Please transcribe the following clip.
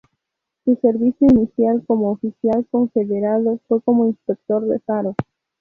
Su servicio inicial como oficial confederado fue como inspector de faro.